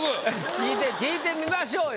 聞いて聞いてみましょうよ。